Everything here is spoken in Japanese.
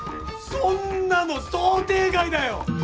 そんなの想定外だよ！